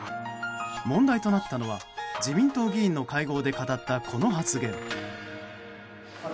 問題となったのは自民党議員の会合で語ったこの発言。